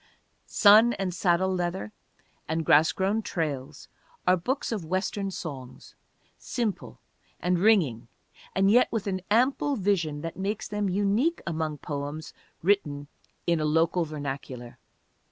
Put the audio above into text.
Sun and Saddle Leather and Grass Grown Trails are books of Western songs, simple and ringing and yet with an ample vision that makes them unique among poems written in a local vernacular.